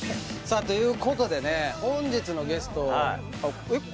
ということでね本日のゲストえっ？